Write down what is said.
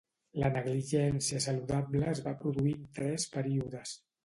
La negligència saludable es va produir en tres períodes.